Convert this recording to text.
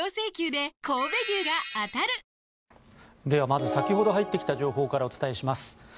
ではまず先ほど入ってきた情報からお伝えします。